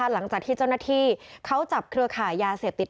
หลังจากที่เจ้าหน้าที่เขาจับเครือขายยาเสพติด